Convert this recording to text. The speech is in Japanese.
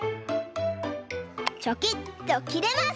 チョキッときれます！